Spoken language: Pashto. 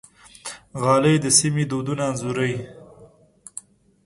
غالۍ د سیمې دودونه انځوروي.